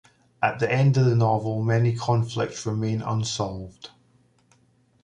At the end of the novel, many conflicts remain unresolved.